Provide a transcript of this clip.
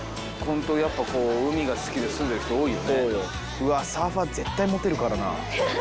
うわサーファー絶対モテるからな。